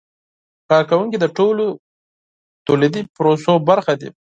کارکوونکي د ټولو تولیدي پروسو برخه دي.